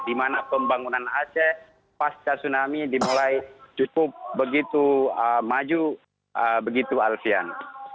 di mana pembangunan aceh pasca tsunami dimulai cukup begitu maju begitu alfian